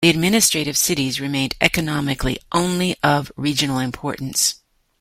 The administrative cities remained economically only of regional importance.